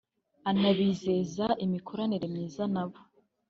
anabizeza imikoranire myiza nabo